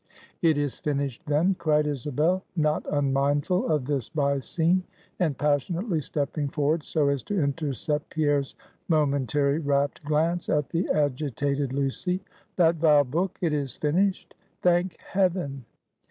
"It is finished, then," cried Isabel, not unmindful of this by scene, and passionately stepping forward so as to intercept Pierre's momentary rapt glance at the agitated Lucy, "That vile book, it is finished! Thank Heaven!"